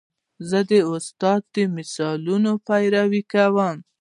زه د استاد د مثالونو پیروي کوم.